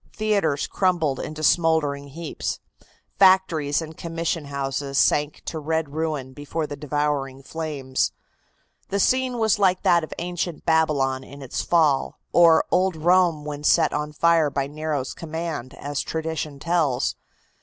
Theatres crumbled into smouldering heaps. Factories and commission houses sank to red ruin before the devouring flames. The scene was like that of ancient Babylon in its fall, or old Rome when set on fire by Nero's command, as tradition tells.